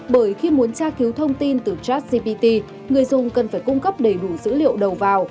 bởi khi muốn tra cứu thông tin từ chat gpt người dùng cần phải cung cấp đầy đủ dữ liệu đầu vào